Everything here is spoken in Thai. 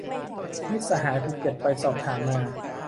มิตรสหายภูเก็ตไปสอบถามมา